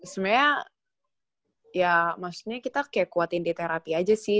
sebenarnya ya maksudnya kita kayak kuatin di terapi aja sih